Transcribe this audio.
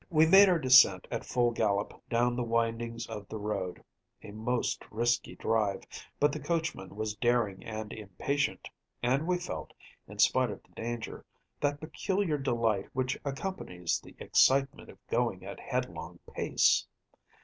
We made our descent at full gallop down the windings of the road‚ÄĒa most risky drive; but the coachman was daring and impatient, and we felt, in spite of the danger, that peculiar delight which accompanies the excitement of going at headlong pace.